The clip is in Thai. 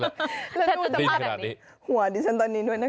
แล้วดูสภาพแบบนี้หัวดิฉันตอนนี้ด้วยนะคะ